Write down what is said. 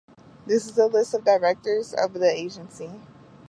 This is a list of the directors of the agency.